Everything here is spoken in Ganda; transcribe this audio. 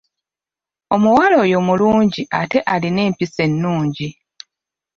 Omuwala oyo mulungi ate alina empisa ennungi.